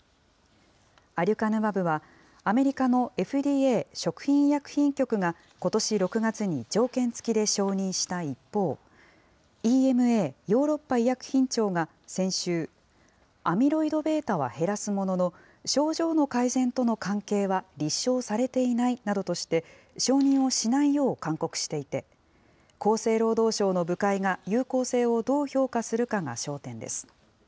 アデュカヌマブは、アメリカのＦＤＡ・食品医薬品局がことし６月に条件付きで承認した一方、ＥＭＡ・ヨーロッパ医薬品庁が先週、アミロイドβは減らすものの、症状の改善との関係は立証されていないなどとして、承認をしないよう勧告していて、厚生労働省の部会が有効性をどう評価するかが焦点です。